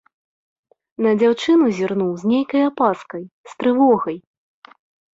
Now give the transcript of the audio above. На дзяўчыну зірнуў з нейкай апаскай, з трывогай.